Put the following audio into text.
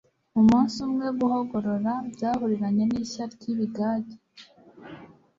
umunsi umwe guhogorora byahuriranye n'ishya ry'ibigage